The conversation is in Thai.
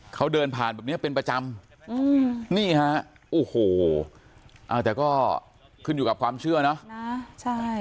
เขาเดินผ่านแบบเนี้ยเป็นประจำนี่ฮะโอ้โหแต่ก็ขึ้นอยู่กับความเชื่อเนอะนะใช่